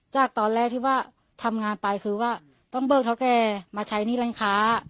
จากตอนแรกที่ว่าทำงานไปคือว่าต้องเบิกเท่าแก่มาใช้หนี้ร้านค้า